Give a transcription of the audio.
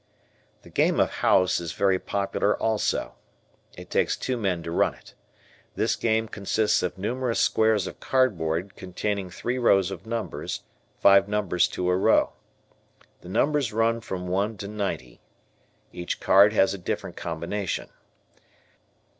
The game of "House" is very popular also. It takes two men to run it. This game consists of numerous squares of cardboard containing three rows of numbers, five numbers to a row. The numbers run from one to ninety. Each card has a different combination.